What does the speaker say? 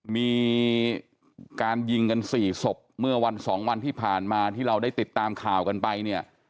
มีการยิงกัน๔ศพเมื่อวันสองวันที่ผ่านมาที่เราได้ติดตามข่าวกันไปเนี่ย